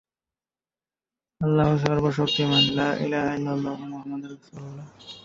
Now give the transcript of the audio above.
তাবারি এই ঘটনায় ফাতিমার জড়িত থাকার ব্যাপারে কোনও উল্লেখ করেননি।